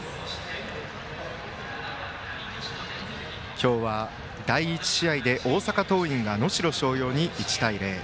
今日は第１試合で大阪桐蔭が能代松陽に１対０。